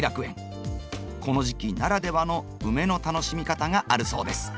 この時期ならではのウメの楽しみ方があるそうです。